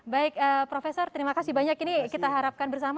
baik profesor terima kasih banyak ini kita harapkan bersama